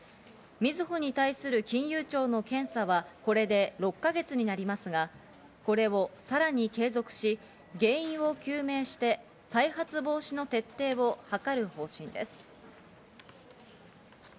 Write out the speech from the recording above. みずほに対する金融庁の検査はこれで６か月になりますが、これをさらに継続し、原因を究明して、再発防止の徹底をはかる方針です。